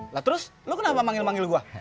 lah terus lo kenapa manggil manggil gue